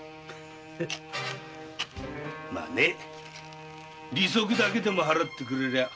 マ利息だけでも払ってくれりゃ。